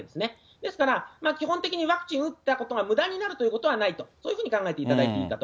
ですから、基本的にワクチン打ったことがむだになるということはないと、そういうふうに考えていただいていいかと。